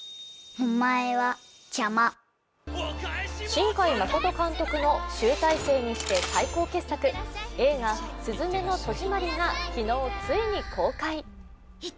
新海誠監督の集大成にして最高傑作、映画「すずめの戸締まり」が、昨日、ついに公開。